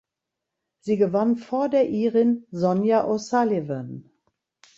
Sie gewann vor der Irin Sonia O’Sullivan.